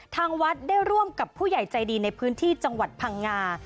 ทางวัดได้ร่วมกับผู้ใหญ่ใจดีในพื้นที่จังหวัดพังงา